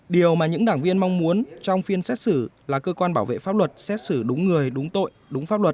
điều mà những đảng viên mong muốn trong phiên xét xử là cơ quan bảo vệ pháp luật xét xử đúng người đúng tội đúng pháp luật